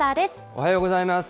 おはようございます。